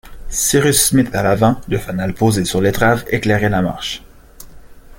Cyrus Smith à l’avant, le fanal posé sur l’étrave, éclairait la marche